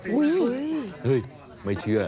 เฮ้ยไม่เชื่อ